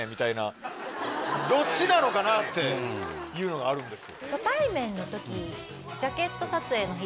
どっちなのかな？っていうのがあるんです。